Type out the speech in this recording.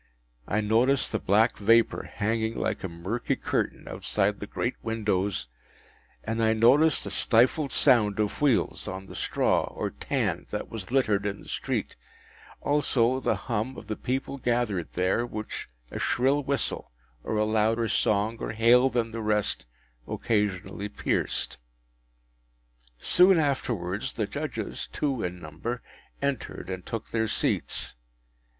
I noticed the black vapour hanging like a murky curtain outside the great windows, and I noticed the stifled sound of wheels on the straw or tan that was littered in the street; also, the hum of the people gathered there, which a shrill whistle, or a louder song or hail than the rest, occasionally pierced. Soon afterwards the Judges, two in number, entered, and took their seats.